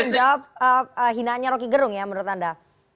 menjawab hinaannya roky gerung ya menurut anda